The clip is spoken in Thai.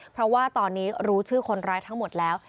เพราะว่าตอนนี้รู้ชื่อคนร้ายทั้งหมดแล้ว